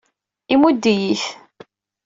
Imudd-iyi-t.